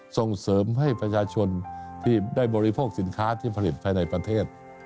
ส่งเสริมให้ประชาชนที่ได้บริโภคสินค้าที่ผลิตภายในประเทศ